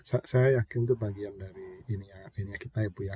saya yakin itu bagian dari ini ya kita ya bu ya